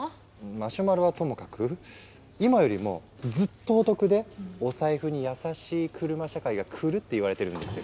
マシュマロはともかく今よりもずっとお得でお財布に優しい車社会が来るっていわれてるんですよ。